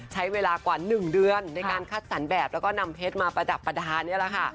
ใช้เวลากว่า๑เดือนในการคัดสรรแบบแล้วก็นำเพชรมาประดับประดานี่แหละค่ะ